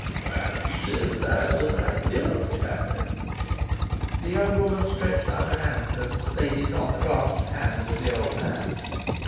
"While she lived, I was ideally happy." The young woman stretched out a hand, and laid it on the clasped hands of the old man.